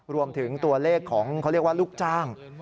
รวมถึงตัวเลขของเขาเรียกว่าลูกจ้าง